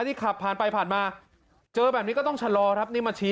ที่ขับผ่านไปผ่านมาเจอแบบนี้ก็ต้องชะลอครับนี่มาชี้